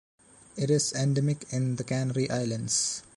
It is endemic in the Canary Islands.